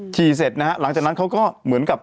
เสร็จนะฮะหลังจากนั้นเขาก็เหมือนกับ